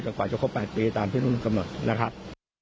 กว่าจะครบ๘ปีตามที่นู่นกำหนดนะครับ